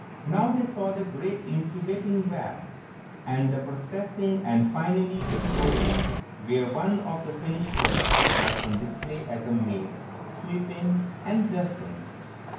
Now they saw the great incubating vats, and the processing and finally the showroom where one of the finished products was on display as a maid, sweeping and dusting.